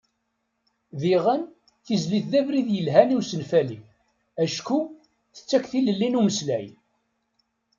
Diɣen, tizlit d abrid yelhan i usenfali, acku tettak tilelli n umeslay.